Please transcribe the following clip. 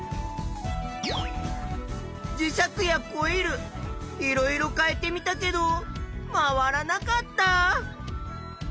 磁石やコイルいろいろ変えてみたけど回らなかった。